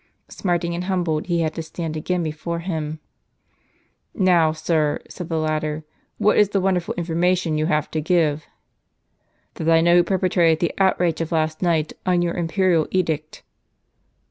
Smarting and humbled, he had to stand again before him. " Now, sir," said the latter, " what is the wonderful infor mation you have to give?" "That I know who perpetrated the outrage of last night, on your imperial edict."